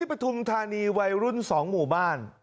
ปฐุมธานีวัยรุ่น๒หมู่บ้าน